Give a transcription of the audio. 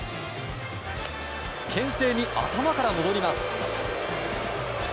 牽制に頭から戻ります。